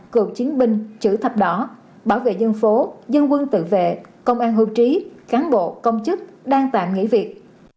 cựu chiến binh chữ thập đỏ bảo vệ dân phố dân quân tự vệ công an hưu trí cán bộ công chức đang tạm nghỉ việc